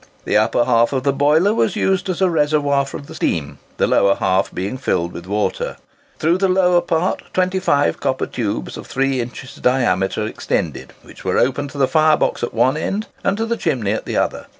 The upper half of the boiler was used as a reservoir for the steam, the lower half being filled with water. Through the lower part, 25 copper tubes of 3 inches diameter extended, which were open to the fire box at one end, and to the chimney at the other.